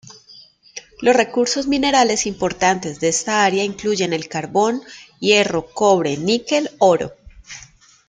Los recursos minerales importantes de esta área incluyen el carbón, hierro, cobre, níquel, oro.